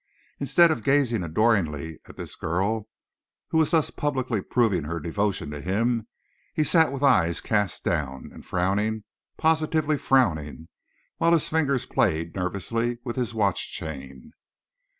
Instead of gazing adoringly at this girl who was thus publicly proving her devotion to him, he sat with eyes cast down, and frowning positively frowning while his fingers played nervously with his watch chain.